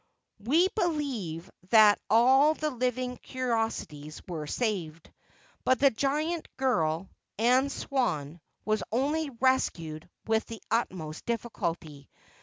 We believe that all the living curiosities were saved; but the giant girl, Anna Swan, was only rescued with the utmost difficulty.